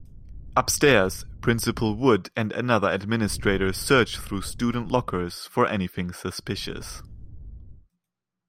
Upstairs, Principal Wood and another administrator search through student lockers for anything suspicious.